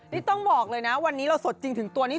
นี่ต้องบอกเลยนะวันนี้เราสดจริงถึงตัวนี้